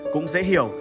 cũng dễ hiểu